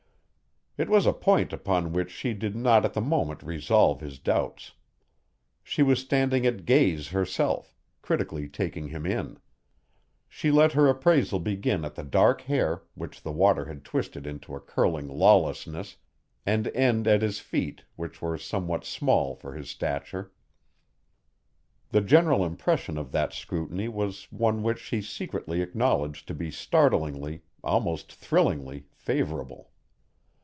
It was a point upon which she did not at the moment resolve his doubts. She was standing at gaze herself, critically taking him in. She let her appraisal begin at the dark hair which the water had twisted into a curling lawlessness and end at his feet which were somewhat small for his stature. The general impression of that scrutiny was one which she secretly acknowledged to be startlingly, almost thrillingly, favorable.